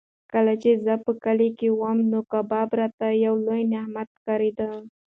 کله چې زه په کلي کې وم نو کباب راته یو لوی نعمت ښکارېده.